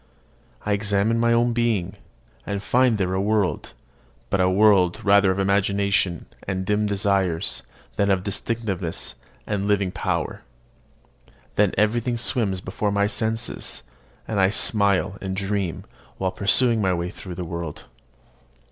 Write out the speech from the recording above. I examine my own being, and find there a world, but a world rather of imagination and dim desires, than of distinctness and living power. Then everything swims before my senses, and I smile and dream while pursuing my way through the world.